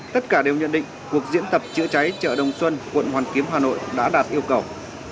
tất cả đều nhận định cuộc diễn tập chữa cháy chợ đồng xuân quận hoàn kiếm hà nội đã đạt yêu cầu